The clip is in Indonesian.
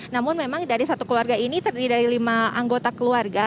namun memang dari satu keluarga ini terdiri dari lima anggota keluarga